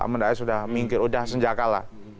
amin rais sudah minggir sudah senjakala